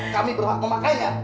kami berhak memakainya